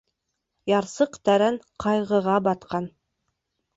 Ярсыҡ тәрән ҡайғыға батҡан.